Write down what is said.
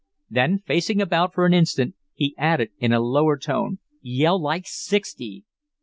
Then facing about for an instant, he added in a lower tone: "Yell like sixty!"